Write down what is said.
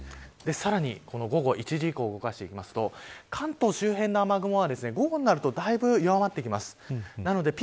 さらに、午後１時以降動かしていくと関東周辺の雨雲は午後になるとだいぶ弱まってきます。